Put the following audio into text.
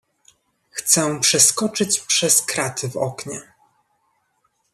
"Chcę przeskoczyć przez kraty w oknie."